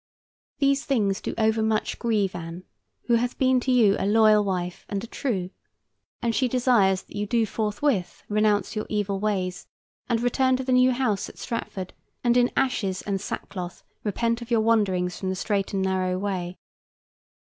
These things do overmuch grieve Anne, who hath been to you a loyal wife and a true, and she desires that you do forthwith renounce your evil ways and return to the new house at Stratford, and in ashes and sackcloth repent of your wanderings from the straight and narrow way.